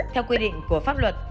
theo quy định của pháp luật